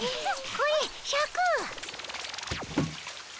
これシャク。